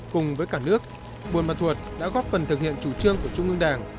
cùng với cả nước bươn mặt thuật đã góp phần thực hiện chủ trương của trung ương đảng